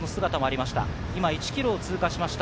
１ｋｍを通過しました。